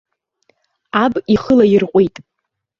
Аб ихы лаирҟәит.